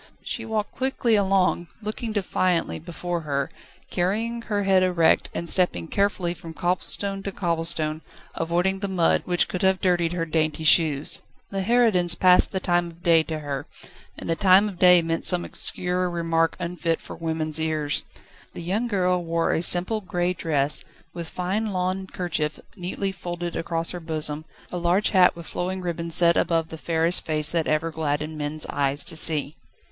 She walked quickly along, looking defiantly before her, carrying her head erect, and stepping carefully from cobblestone to cobblestone, avoiding the mud, which could have dirtied her dainty shoes. The harridans passed the time of day to her, and the time of day meant some obscene remark unfit for women's ears. The young girl wore a simple grey dress, with fine lawn kerchief neatly folded across her bosom, a large hat with flowing ribbons sat above the fairest face that ever gladdened men's eyes to see.